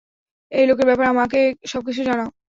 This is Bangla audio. এই লোকের ব্যাপারে আমাকে সবকিছু জানাও।